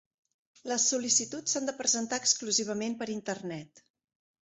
Les sol·licituds s'han de presentar exclusivament per Internet.